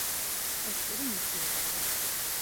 ეს პური მისი იყოსო.